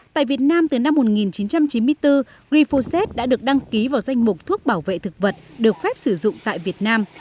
tại việt nam từ năm một nghìn chín trăm chín mươi bốn glyphosate đã được đăng ký vào danh mục thuốc bảo vệ thực vật được phép sử dụng tại việt nam